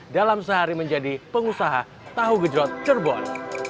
dalam sehari menjadi pengusaha tahu gejerot cirebon